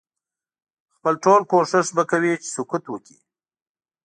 خپل ټول کوښښ به کوي چې سقوط وکړي.